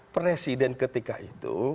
presiden ketika itu